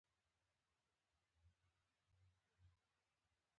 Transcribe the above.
د مالګې د کارولو دلیل مشخص شوی وي.